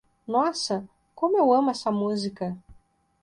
Nossa, como eu amo essa música.